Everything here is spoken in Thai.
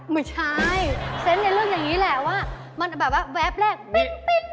ไม่ใช่เซ็นต์ในเรื่องอย่างนี้แหละว่าแวบแรกปิ๊น